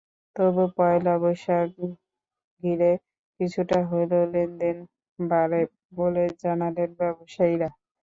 তবু পয়লা বৈশাখ ঘিরে কিছুটা হলেও লেনদেন বাড়ে বলে জানালেন ব্যবসায়ীরা।